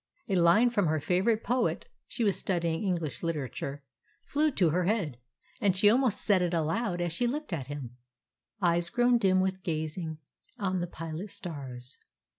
A line from her favorite poet (she was studying English literature) flew to her head, and she almost said it aloud as she looked at him: Eyes grown dim with gazing on the pilot stars.